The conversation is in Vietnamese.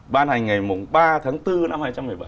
ban hành ngày ba tháng bốn năm hai nghìn một mươi bảy